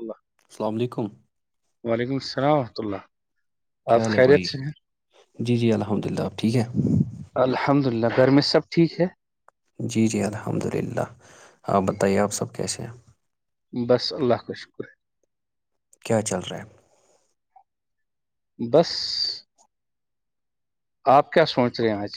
اللہ السلام علیکم وعلیکم السلام وورحمۃ اللہ آپ کیا حال ہے خیریت بھائی سیں جی جی الحمد للہ آپ ٹھیک ہے الحمد للہ گھر میں سب ٹھیک ہے جی جی الحمد للہ ہاں بتائیے آپ سب کیسے ہیں بس اللہ کا شکر ہے کیا چل رہا ہے؟ بس آپ کیا سوچ رہے ہیں آج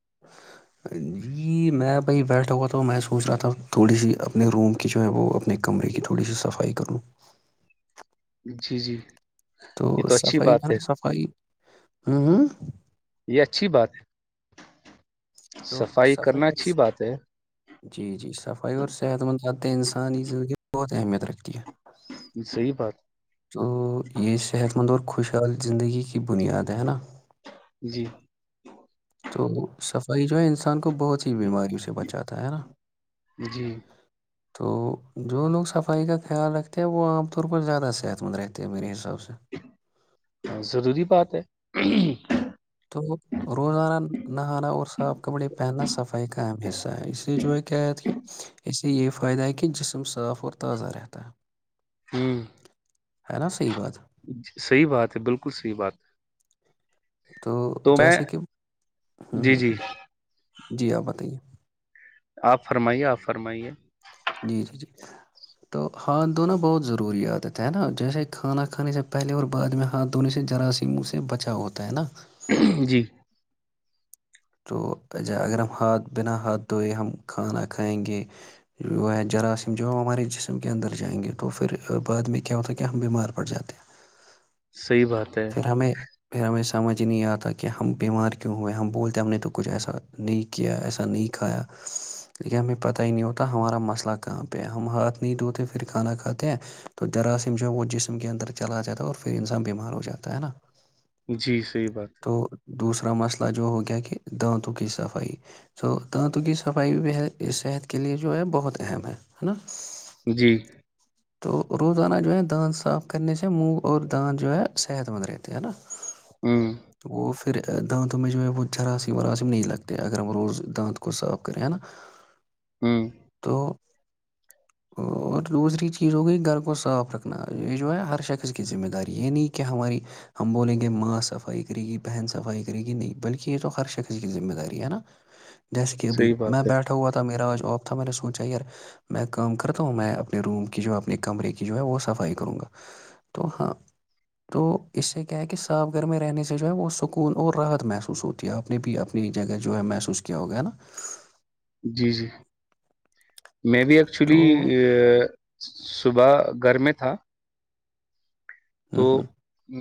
[inaudible] جی جی تو یہ اچھی صفائی ہے بات نا صفائی ہاں ہاں یہ اچھی بات ہے تو کرنا صفائی اچھی بات ہے جی جی صفائی اور سے صحت مند آاد انسان کی زندگی میں بہت اہمیت رکھتی ہے صحی بات تو یہ صحت مند اور خوشحال زندگی کی بنیاد ہے نا جی تو صفائی جو ہے انسان کو بہت ہی بیماریوں سے بچاتا ہے نا جی تو جو لوگ صفائی کا خیال رکھتے ہیں وہ عام طور پر زیادہ صحت مند رہتے ہیں میرے حساب سے ہ ضروری بات ہے تو روزانہ نہانا اور صاف کپڑے پہننا صفائی کا اہم حصہ ہے اس سےے جو ہے کیا ہےتے کہ اس سے یہی فائدہ ہے کہ جسم صاف اور تازہ رہتا ہے ہوں ہے نا صحیح بات ہے صحیح بات ہے بالکل صحیح بات ہے تو جیسا کہ ہوں جی ہوں جی جی آپ بتائیے آپ فرمائیے آپ فرمائیے جی جی جی تو ہاتھ دھونا بہت ضروری آدتا ہے نا جیسے کھانا کھانے سے پہلے اور بعد میں ہاتھ دھونے سے جراثیم سے بچا ہوتا ہے نا جی تو اگر ہم ہاتھ بنا ہاتھ دھوئئے ہم کھانا کھائیں گے جو ہے جراثیم جو ہے ہمارے جسم کے اندر جائیں گے تو پھر بعد میں کیا ہوتا ہے کہ ہم بیمار پڑ جاتے ہیں صحیح بات ہے پھر ہمیں پھر ہمیں سب سمجھ نہیں آتا کہ ہم بیمار کیوں ہوئے ہم بولتے ہم نے تو کچھ ایسا نہیں کیا ایسا نہیں کھایا لیکن ہمیں پتہ ہی نہیں ہوتا ہمارا مسئلہ کہاں پہ ہماتھ نہیں دھوتے پھر کھانا کھاتے ہیں تو جراثیم جو ہے وہ جسم کے اندر چلا جاتا ہے اور پھر انسان بیمار ہو جاتا تو ہے نا جی صحیح بات ہے اپا مسئلہ جو ہو گیا کہ دانتوں کی صفائی س دانتوں کی صفائی بھی صحت کے لیے جو ہے بہت اہم ہے نا ہے جی تو روزانہ جو ہے دانت صاف کرنے سے منگ اور داند جو ہے صحت مند رہتی ہے نا ہاں پ دانتدوں میں جو میں ب وہ ج چھراس س وھراسسی ہم ن نہیں لگتے ہیں اگر ہم روز دانت کو صاف کرے ہیں نا ہوں تو اور دوسری چیز ہو گئی گھر کو صاف رکھنا یہ جو ہے ہر شخص کی ذمہ داری یہ نہیں کیا ہماری ہم بولیں گے ماں صفائی کرے گی بہن صفائی کرے گی نہیں بلکہ یہ تو ہر شخص کی ذمہ داری ہے نا جیسے کہ ابھی صحیح میں بات ہے بیٹھا ہوا تھا میرا آج تو آب تھا میں نے سوچا یار میں کام کرتا ہوں میں اپنے روم کی جو اپنے کمرے کی جو ہے وہ صفائی کروں گا تو ہاں تو اس سے کیا ہے کہ صاف گھر میں رہنے سے جو ہے وہ سکون اور راحت محسوس ہوتی ہے آپ نے بھی اپنی جگہ جو ہے محسوس کیا ہوگا ہے نا جی جی میں بھی تو ایکچولی صبح گھر میں تھا ہوں ہاں ہ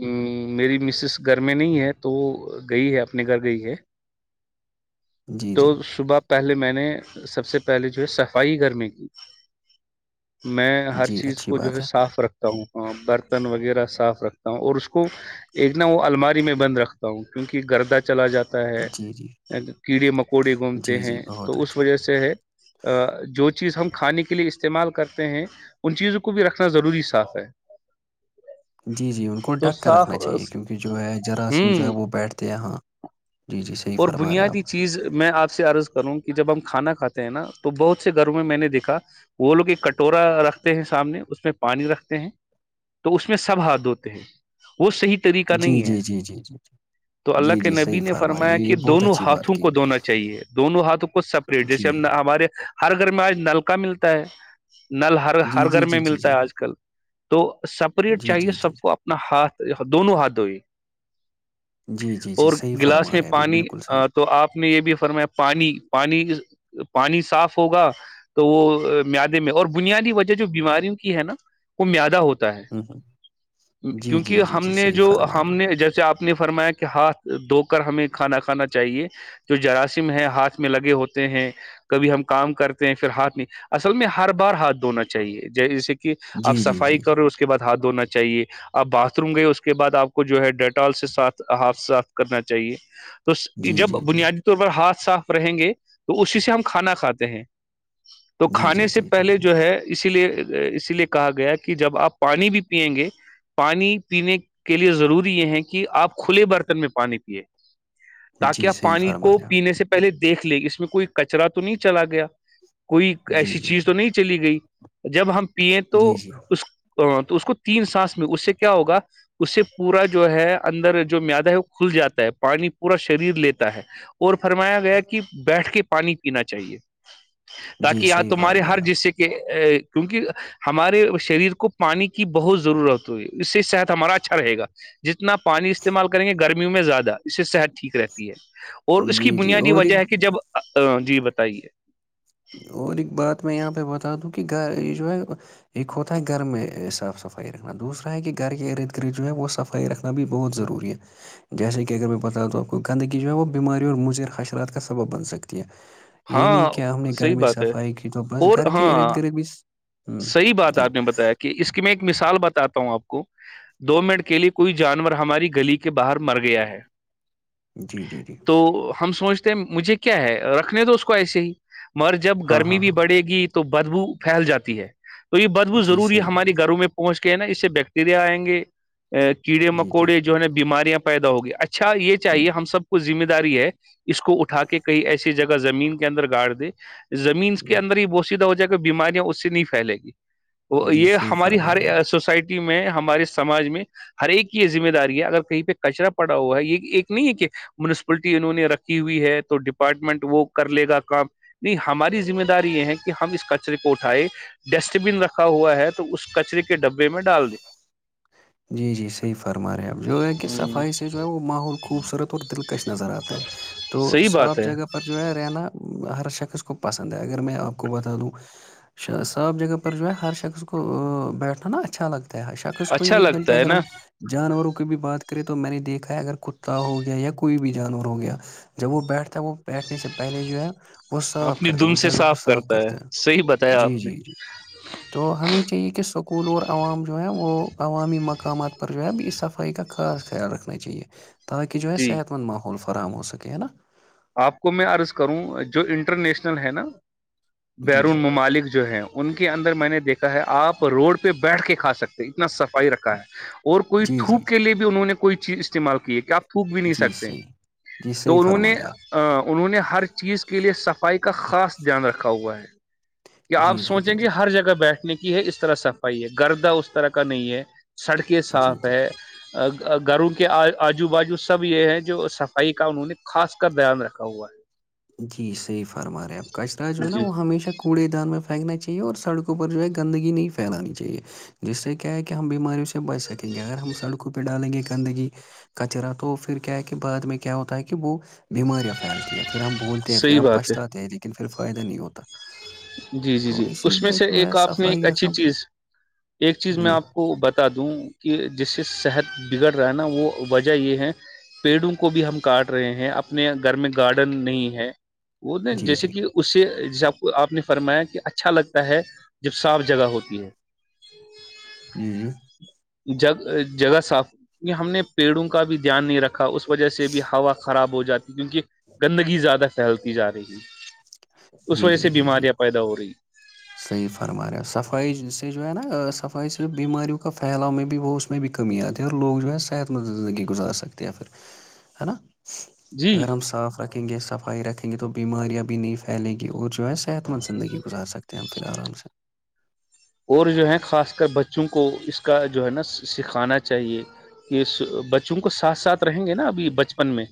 میری مسس گھر میں نہیں ہے تو وہ گئی ہے اپنے گھر گئی ہے جی تو جی صبح پہلے میں نے سب سے پہلے جو ہے صفائی گھر میں کی میں ہر جی چیز اچھی کو جو بات ہے صاف رکھ ہ ہاں برتن وغیرہ صاف رکھتا ہوں اور اس کو ایک نہ وہ الماری میں بند رکھتا ہوں کیونکہ گردہ چلا جاتا ہے جی جی کیڑے مکوڑے گھومتے جی جی ہیں بہت تو اس اچھا وجہ سے ہے جو چیز ہم کھانے کے لیے استعمال کرتے ہیں ان چیزوں کو بھی رکھنا ضروری صاف ہے جی جی ان کو تو ڈھک کر صاف رکھنا چاہیے کیونکہ جو ہے جراثیم جو ہے ہوں وہ بیٹھتے ہیں ہاں جی جی صحیح اور فرما رہے آپ بنیادی چیز میں آپ سے عرض کروں کہ جب ہم کھانا کھاتے ہیں نا تو بہت سے گھروں میں میں نے دیکھا وہ لوگ ایک کٹورا رکھتے ہیں سامنے اس میں پانی رکھتے ہیں تو اس میں سب ہاتھ دھوتے ہیں وہ صحیح طریقہ جی نہیں ہے جی جی جی جی تو اللہ جی کے جی نبی صحیح نے فرما فرمایا رہی ہے کہ یہ بہت دونوں اچھی ہاتھ بات ہاتھوں کی کو دھونا چاہیے دونوں ہاتھوں کو سپریٹ جیسے جی ہم ہمارے ہر گھر میں آج نلکا ملتا ہے [unintelligible] نل ہر جی ہر جی گھر میں جی جی ملتا ہے جی آج کل تو سپریٹ جی جی چاہیے جی سب کو اپنا ہاتھ دونوں ہاتھ دھوئے جی جی جی اور صحیح گلاس فرما میں رہے ہیں ابھی پانی بالکل آ، صحیح تو آپ نے یہ بھی فرمایا پانی پانی پانی صاف ہوگا تو وہ میادے میں اور بنیادی وجہ جو بیماریوں کی ہے نا وہ میادہ ہوتا ہے ہوں ہوں جی جی کیونکہ جی ہم جی نے صحیح جو فرما ہم رہے ہیں نے جیسے آپ نے فرمایا کہ ہاتھ دھو کر ہمیں کھانا کھانا چاہیے جو جراثیم ہے ہاتھ میں لگے ہوتے ہیں کبھی ہم کام کرتے ہیں پھر ہاتھ نہیں اصل میں ہر بار ہاتھ دھونا چاہیے جیسے کہ آپ جی جی صفائی جی کر رہے ہو اس کے بعد ہاتھ دونا چاہیے آپ باتھ روم گئے اس کے بعد آپ کو جو ہے ڈیٹال سے ساتھ ہاف صاف کرنا چاہیے تو جی جی جب جی بنیادی طور پر ہاتھ صاف رہیں گے تو اسی سے ہم کھانا کھاتے ہیں تو جی جی کھانے سے جی جی پہلے جی جو ہے اسی لیے اسی لیے کہا گیا کہ جب آپ پانی بھی پیئیں گے پانی پینے کے لیے ضروری یہ ہے کہ آپ کھلے برتن میں پانی پیے تاکہ جی آپ صحیح پانی فرما کو رہے ہیں پینے سے پہلے دیکھ لے اس میں کوئی کچرا تو نہیں چلا گیا کوئی آپ جی ایسی جی چیز جی تو نہیں چلی گئی جب ہم پیے تو جی جی اس تو اس کو تین سانس میں اس سے کیا ہوگا اس سے پورا جو ہے اندر جو میادا ہے وہ کھل جاتا ہے پانی پورا شریر لیتا ہے اور فرمایا گیا کہ بیٹھ کے پانی پینا چاہیے جی تاکہ آ صحیح تمہارے فرما رہے ہر ہیں آپ جسے کے کیونکہ ہمارے شریر کو پانی کی بہت ضرورت ہو ہے اس سے صحت ہمارا اچھا رہے گا جس اپنا پانی استعمال کریں گے گرمی میوں میں زیادہ اس سے صحت ٹھیک رہتی ہے اور اس کی جی جی بنیادی اور ایک وجہ ہے کہ جب ہمم جی بتائیے اور ایک بات میں یہاں پہ بتا دوں کیونکہ گ یہ جو ہے ایک ہوتا ہے گھر میں صاف صفائی رکھنا دوسرا ہے کہ گھر کے ارد گرد جو ہے وہ صفائی رکھنا بھی بہت ضروری ہے جیسے کہ اگر میں بتا دوں آپ کو گندگی جو ہے وہ بیماریوں اور مضر حشرات کا سبب بن سکتی ہے یہ نہیں ہاں کیا ہم نے گھر صحیح میں بات ہے صفائی کی تو بس اور گھر کے ارد ہاں گرد بھی ہ صحیح بات جی آپ نے بتایا کہ اس کی میں ایک مثال بتاتا ہوں آپ کو دو منٹ کے لئے کوئی جانور ہماری گلی کے باہر مر گیا ہے جی جی جی تو ہم سوچ مجھے کیا ہے رکھنے تو اس کو ایسے ہی مگر جب ہاں ہاں گرمی بھی ہاں بڑھے گی تو بدبو پھیل جا ہے تو یہ ببو جی ضروری صحیح ہمارے بات گھروں میں پہنچ نا اس سے بیکٹیریا آئیں گے ا کیڑے جی جی مکوڑے جو ہے نا بیماریاں پیدا ہوگ اھا اچھا یہ چاہے ہم سب کو ذمے د رہی ہے اس کو اٹا کے کئی ایسی جگہ زمین کے اندر گاڑ دے زمین کے جی اندر یہ بوسییدہ ہو جائے بیماریاں اس نہیں پھیلے گی وہ جی یہ صحیح ہماری فرما رہے ہیں ہر آپ سوسائٹی میں ہمارے سماج میں ہر ایک یہ ذمہ داری ہے اگر کہیں پہ کچرا پڑا ہوا ہے یہ ایک نہیں ہے کہ مونسپلٹی انہوں نے رکھی ہوئی ہے تو ڈپارٹمنٹ وہ کر لے گا کام نہیں ہماری ذمہ داری یہ ہے کہ ہم اس کچرے کو اٹھائے ڈسٹ بن رکھا ہوا ہے تو اس کچرے کے ڈبے میں ڈال دیں جی جی صحیح فرما رہے ہیں آپ جو ہے کہ ہوں صفائی سے جو ہے وہ ماحول خوبصورت اور دلکش نظر آتا ہے تو صحیح بات صاف ہے جگہ پر جو ہے رہنا ہر شخص کو پسند ہے اگر میں آپ کو بتا دوں صاف جگہ پر جو ہے ہر شخص کو بیٹھنا نا اھا لگتا شخص کوئی اچھا نہیں بلکہ لگتا ہے اگر ہم نا جانوروں کو کو بھی بات کرے تو میں نے دیکا ہے اگر کتا ہو گیا یا کوئی بھی جانور ہو گیا جب وہ بیٹھتا ہے وہ بیٹھنے سے پہلے جو ہے وہ صاف اپنی کرتے دم وہ سے جگہ کو صاف کرتا ہے کرتے ہیں صحیح بتایا جی آپ نے جی جی تو ہمیں چاہیے کہ س قولور عوام جو ہے وہ عوامی مقامات پر جو ہے اب اس صفائی کا خاص خیال رکھنا چاہیے کے جو جی صحت مند فاہام ہو سک نا آپ کو میں عرض کروں جو انٹرنییشنل ہے نا جی بیرون جی ممالک جو ہیں ان کے اندر میں نے دیکھا ہے آپ روڈ پہ بیٹھ کے کھا سکتے اتنا سف ائی رکھا ہے اور کوئی جی جی تھوک جی کے لیے بھی انہوں نے کوئی چیز استعمال کیے کہ آپ تھوک بھی نہیں جی سکتے صحیح جی تو صحیح انہوں نے فرما رہے آپ انہوں نے ہر چیز کے لے صفائی کی کا خاص دھیان رکھا ہوا ہے آپ جی جی سوچیں جی گے جی ہر جگہ بیٹھنے کی ہے اس طرح صفائی ہے گردہ اس طرح کا نہیں ہے سڑکیں جی جی صاف ہے گھروں کے آجو بازو سب یہ ہیں جو صفائی کا انہوں نے خاص کا بیان رکھا ہوا ہے جی صحیح فرما رہےپ کچرا جو ہے نا وہ ہمیشہ کوڑے دان میں پھینکنا چاہیے اور سڑکوں پر جو ہے گندگی نہیں پھیلانی چاہیے جس سے کیا ہے کہ ہم بیماریوں سے بچ سکیں گے اگر ہم سڑکوں پہ ڈالیں گے گندگی کچرا تو پھر کیا ہے کہ بعد میں کیا ہوتا ہے کہ وہ بیماریاں پھیلتی ہیں پھر ہم بولتے ہیں پھر صحیح ہم بات ہے پچھاتے ہیں لیکن صر فائدہ نہیں ہوتا جی جی تو جی اسی اس میں لیے سے جو ہے ایک آپ نے ایک صفائی اچھی رکھنا چیز ایک چیز میں جی آپ کو بتا دوں کہ جس سے صحت بگڑ رہا ہے نا وہ وجہ یہ ہے پیڑوں کو بھی ہم کاٹ رہے ہیں اپنے گھر میں گارڈن نہیں ہے وہ نہیں جی جیسے جی کہ اس سے جس آپ کو آپ نے فرمایا کہ اچھا لگتا ہے جب صاف جگہ ہوتی ہے جی جی ج جگہ صاف کیکہ ہم نے پیڑوں کا بھی دھیان نہیں رکھا کا اس وجہ سے بھی ہوا خراب ہو جاتی کیونکہ گندگی زیادہ پھیلتی جا رہی ہے جی جی جی جی اورڑی صحیح فرما رہا صفائی سے جو ہے نا صفائی سے جو بیماریوں کا پھیلاؤ میں بھی وہ اس میں بھی کمی آتی ہے اور لوگ جو ہے صحت مند زندگی گزار سکتے ہیں پھر ہے نا جی اگر ہم صاف رکھیں رکھیں گے صفائی رکھیں گے تو بیماریاں بھی نہیں پھیلیں گی اور جو ہے صحت مند زندگی گزار سکتے پھر آرام سے اور جو ہے خاص کر بچوں کو اس کا جو ہے نا سکھانا چاہیے کہ بچوں کو ساتھ ساتھ رہیں گے نا ابھی بچپن میں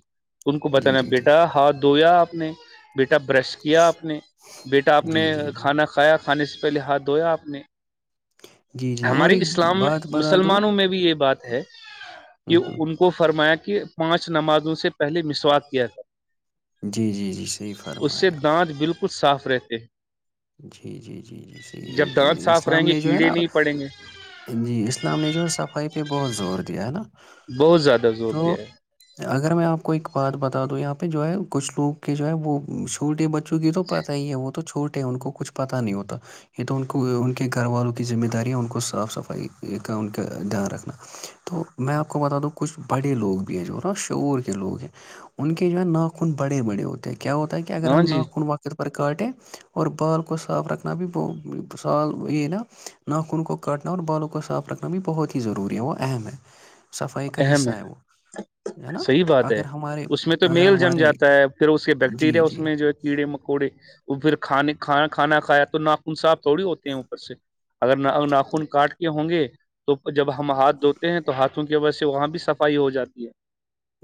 ان کو جی بتانا جی جی بیٹا ہاتھ دھویا آپ نے بیٹا برش کیا آپ نے بیٹا آپ جی نے جی جی کھانا کھایا کھانے سے پہلے ہاتھ دھویا آپ نے جی جی اور ہمارے ایک اسلام بات بتا دو مسلمانوں میں بھی یہ بات ہے کہ ہ ہ ان کو فرمایا کہ پانچ نمازوں سے پہلے مسوات کیا تھا جی جی جی صحیح فرما رہے آپ کچھ صاف رہتے ہیں جی جی جی جی جب دانت صحیح صاف رہیں اسلام گے نے جو ہے کیڑے نا نہیں پڑیں گے جی اسلام نے جو ہے صفائی پہ بہت زور دیا ہے نا بہت زیادہ زور دیا تو ہے اگر میں آپ کو ایک بات بتا دوں یہاں پہ جو ہے کچھ لوگ کے جو ہے وہ چھوٹے بچے چونکہ تو پتہ ہی ہے وہ تو چھوٹ ان کو کچھ پتہ نہیں ہوتا یہ تو ان کو ان کے گھر والوں کی ذمہ داری ہے ان کو صاف صفائی کا ان کا دھیان رکھنا تو میں آپ کو بتا دوں کچھ بڑے لوگ بھی ہیں جو نا شعور کے لوگ ہیں ان کے جو ہے ناخن بڑے بڑے ہوتے ہیں کیا ہوتا ہے کہ اگر ہاں ہم جی ناکک وقتر پرکٹیں اور بال کو صاف رکھنا بھی سال یہ نا ناخن کو کاٹنا اور بالوں کو صاف رکھنا بھی بہت ہی ضروری ہے وہ اہم ہے صفائی کا اہم حصہ وہ ہے ہے نا صحیح بات ہے اگر ہمارے اس میں تو اگر میل جم ہمارے جاتا ہے پھر اس کے جی بیکٹیریا اس جی میں جو ہے کیڑے مکوڑے وہ پھر کھانے ھ کھانا کھایا تو ناخن صاح تھوڑی ہوتے ہیں اوپر سے اگر ناخن کاٹ کے ہوں گے تو جب ہم ہاتھ دھوتے ہیں تو ہاتھوں سے وجہ سے وہاں بھی صفائی ہو جاتی ہے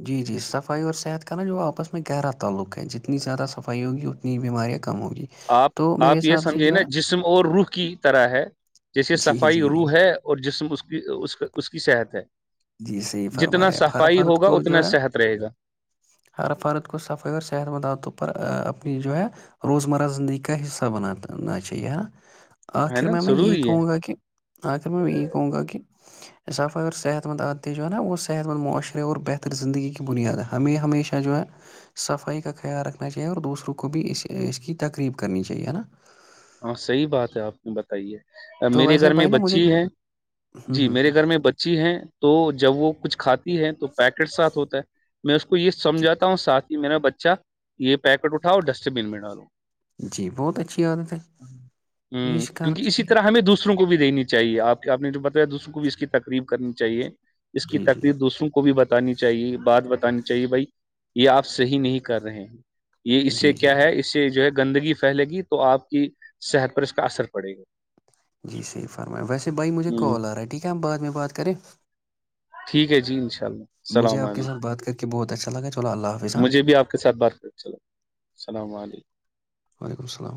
جی جی صفائی اور صحت کا نا جو آپس میں گہرا تعلق ہے جتنی زیادہ صفائی ہوگی اتنی بیماریاں کم ہوگی آپ تو میرے آپ یہ حساب سے سمجھے جو نا ہے جسم اور روح کی طرح ہے جیسے جی صفائی جی جی روح ہے اور جسم اس کی اس اس کی صحت ہے جی صحیح فرما جتنا رہے ہیں اب ہر صفائی فرد ہوگا کو اتنا جو ہے صحت رہے گا ہر فرد کو صفائی اور صحت منداتوں پر اپنے جو ہے روزمرہ زندگی کا حصہ بنا چاہیے نا ہے آخر نا میں میں یہی ضروری ہے کہوں گا کہ آخر میں یہی کہوں گا کہ اسافہ اگر صحت خحت مند عتےیں جو ہے نا وہ صحت مند معاشرے اور بہتر زندگی کی بنیاد ہے ہمیں ہمیشہ جو ہے صفائی کا خیال رکھنا چاہیے اور دوسروں کو بھی اس اس کی تقریب کرنی چاہیے ہے نا ہاں صحیح بات ہے آپ نے بتائیے تو میرے ویسے گھر میں بھائی نا مجھے بچی ہیں ہوں جی ہوں ہوں میرے گھر میں بچی ہیں تو جب وہ کچھ کھاتی ہے تو پیکٹ ساتھ ہوتا ہے میں اس کو یہ جی سمجھاتا ہوں ساتھ میرا بچہ یہ پیکٹ اٹاؤ ڈسٹ بین میں ڈالو جی بہت اچھی عادت ہے ہ یہی سکھانا کیونکہ اسی چاہیے طرح ہمیں دوسروں کو بھی دینی چاہیے آپ آپ نے جو بتا دوسروں کو بھی اس کی تقریب کرنی چاہیے اس کی جی جی تکریف دوسروں کو بھی بتا بتانی چاہیے بات بتانی چاہیے بھائی یہ آپ صحیح نہیں کر رہے ہیں یہ اس سے جی جی کیا ہے جی اس سے جو ہے گندگی پھیلے گی تو آپ کی صحت پر اس کا اثر پڑے گا جی صحیح فرما ویسے بھائی مجھے ہ کال آ رہا ہے ٹھیک ہے آپ بعد میں بات کریں ٹھیک ہے جی انشاء اللہ مجھے السلام آپ کے علیکم ساتھ بات کر کے بہت اچا لگت مجھے بھی آپ کے ساتھ بات کر چلا اللام علیکم وعلیکم السلام